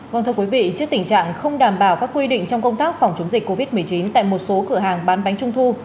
vâng thưa quý vị trước tình trạng không đảm bảo các quy định trong công tác phòng chống dịch covid một mươi chín tại một số cửa hàng bán bánh trung thu